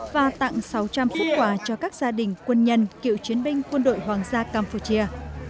và tặng sáu trăm linh phúc quả cho các gia đình quân nhân cựu chiến binh quân đội hoàng gia campuchia